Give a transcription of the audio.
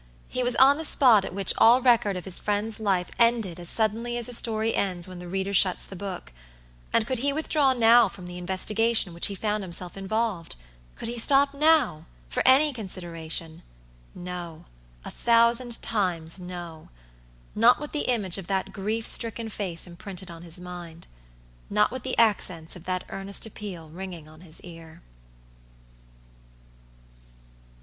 He was on the spot at which all record of his friend's life ended as suddenly as a story ends when the reader shuts the book. And could he withdraw now from the investigation in which he found himself involved? Could he stop now? For any consideration? No; a thousand times no! Not with the image of that grief stricken face imprinted on his mind. Not with the accents of that earnest appeal ringing on his ear.